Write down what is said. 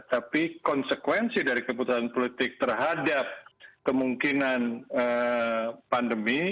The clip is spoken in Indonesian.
tapi konsekuensi dari keputusan politik terhadap kemungkinan pandemi